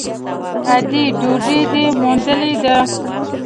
_ادې ! ډوډۍ دې موندلې ده؟